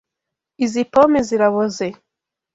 Izi pome ziraboze.